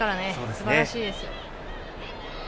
すばらしいです。